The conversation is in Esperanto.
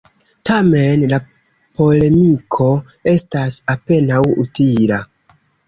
Tamen, la polemiko estas apenaŭ utila.